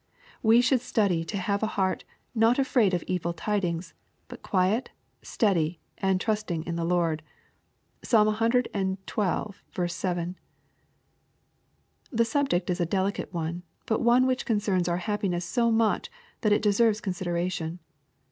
We should study to have a heart " not afraid of evil tidings," but quiet, steady, and trusting in the Lord. (Psalm cxii. 7.) The subject is a delicate one, but one which concerns our happiness so much that it deserves consideration.